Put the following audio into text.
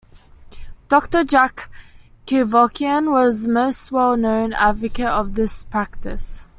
Doctor Jack Kevorkian was the most well-known advocate of this practice.